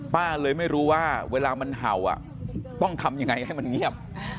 เลยไม่รู้ว่าเวลามันเห่าต้องทำยังไงให้มันเงียบ